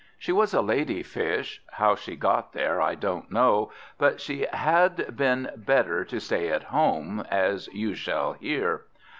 She was a lady Fish how she got there I don't know; but she had been better to stay at home, as you shall hear.